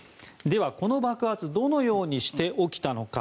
この爆発はどのようにして起きたのか。